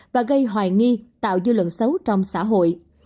và gây hoài nghi tạo dư luận xấu trong xã hội